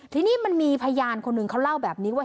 ทีนี้มันมีพยานคนหนึ่งเขาเล่าแบบนี้ว่า